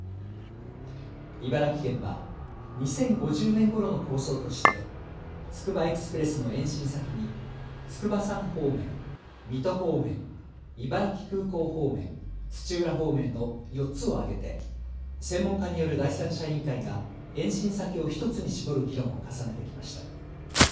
茨城県は２０５０年ごろの構想として、つくばエクスプレスの延伸先に筑波山方面、水戸方面、茨城空港方面、土浦方面の４つを挙げて専門家による第三者委員会が延伸先を１つに絞る議論を重ねてきました。